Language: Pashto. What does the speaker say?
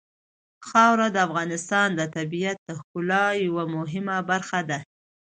خاوره د افغانستان د طبیعت د ښکلا یوه مهمه برخه ده.